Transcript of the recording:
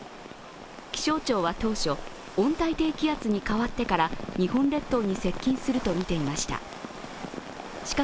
気象庁は当初、温帯低気圧に変わってから日本列島に接近するとみていました。